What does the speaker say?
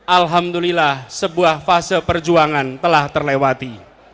alhamdulillah sebuah fase perjuangan telah terlewati